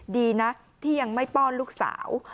ดีนะที่ยังไม่ป้อนลูกสาว